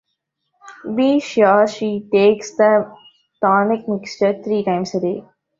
Be sure she takes that tonic mixture three times a day.